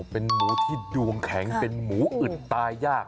เป็นหมูที่ดวงแข็งเป็นหมูอึดตายยาก